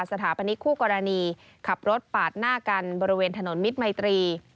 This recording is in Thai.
สถาปนิกคู่กรณีขับรถปาดหน้ากันบริเวณถนนมิตรมัยตรี